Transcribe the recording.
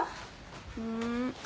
うん？